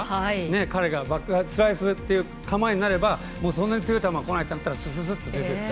彼がバックスライスという構えになればそんなに強い球がこないってなったら出ていった。